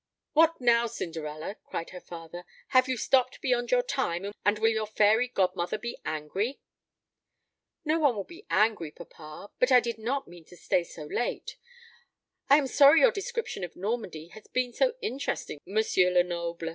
"What now, Cinderella?" cried her father. "Have you stopped beyond your time, and will your fairy godmother be angry?" "No one will be angry, papa; but I did not mean to stay so late. I am sorry your description of Normandy has been so interesting, M. Lenoble."